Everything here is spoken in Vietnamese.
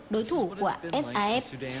đối thủ của saf